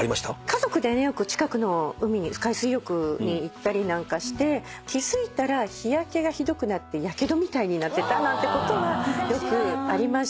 家族でよく近くの海に海水浴に行ったりなんかして気付いたら日焼けがひどくなってやけどみたいになってたなんてことはよくありましたね。